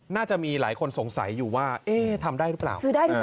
น่าจะมีหลายคนสงสัยอยู่ว่าเอ๊ะทำได้หรือเปล่า